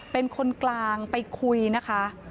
เป็นคนกลางไปคุยนะคะ